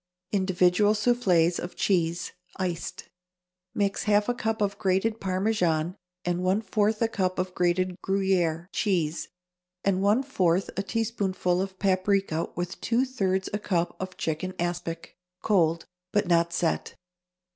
=Individual Soufflés of Cheese, Iced.= (See cut facing page 106.) Mix half a cup of grated Parmesan and one fourth a cup of grated Gruyère cheese and one fourth a teaspoonful of paprica with two thirds a cup of chicken aspic, cold, but not set.